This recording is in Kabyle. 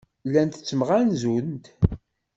Llant ttemɣanzunt.